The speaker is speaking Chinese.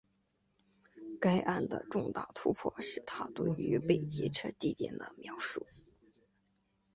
该案的重大突破是她对于被劫车地点的描述。